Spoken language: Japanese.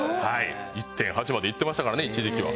１．８までいってましたからね一時期は。